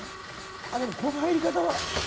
あっでもこの入り方は。